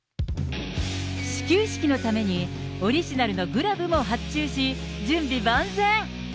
始球式のために、オリジナルのグラブも発注し、準備万全。